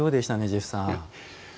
ジェフさん。